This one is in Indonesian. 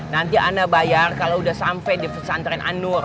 nanti anda bayar kalau udah sampe di vesantren anur